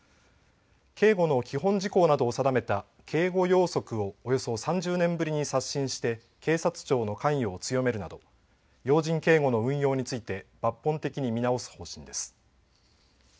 警護の基本事項などを定めた警護要則をおよそ３０年ぶりに刷新して警察庁の関与を強めるなど、要人警護の運用について抜本的に見直す方針です。